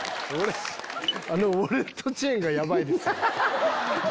あのウォレットチェーンがヤバいですよ。